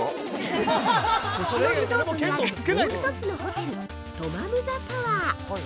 星野リゾートにあるもう一つのホテル「トマムザ・タワー」